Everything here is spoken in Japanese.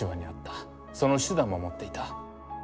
その手段も持っていた。